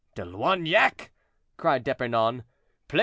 "De Loignac," cried D'Epernon, "place M.